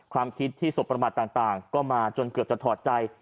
ความคิดที่สบประมาทต่างก็มาจนเกือบจะถอดใจ